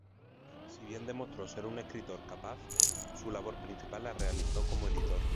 Si bien demostró ser un escritor capaz, su labor principal la realizó como editor.